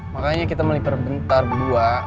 makanya kita melipar bentar bua